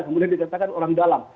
kemudian dikatakan orang dalam